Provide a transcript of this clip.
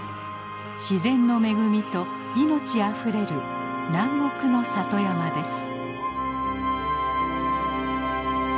自然の恵みと命あふれる南国の里山です。